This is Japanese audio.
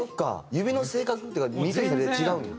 指の性格っていうか右と左で違うんや。